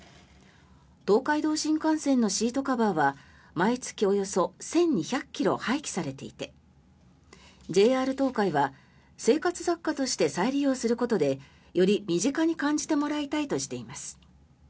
東海道新幹線のシートカバーは毎月およそ１２００ｋｇ廃棄されていてＪＲ東海は生活雑貨として再利用することでより身近に感じてもらいたいとしています。